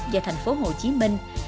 và thành phố hồ chí minh